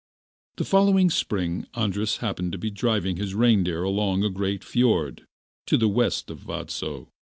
The following spring Andras happened to be driving his reindeer along a great fiord to the west of Vadso.